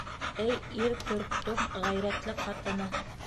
Эй, ир төрктөң ғәйрәтле ҡатыны!